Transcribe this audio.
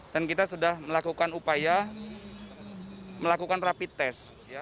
dan kita sudah melakukan upaya melakukan rapid test